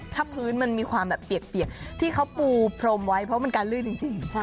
ถ้าพื้นมันมีความแบบเปียกที่เขาปูพรมไว้เพราะมันการลื่นจริง